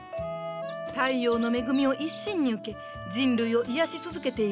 太陽の恵みを一身に受け人類を癒やし続けている葉っぱ。